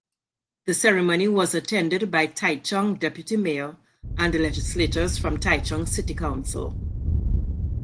The ceremony was attended by Taichung Deputy Mayor and legislators from Taichung City Council.